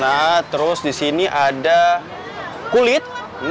nah terus di sini ada kulit